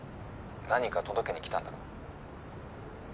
何か届けに来たんだろ。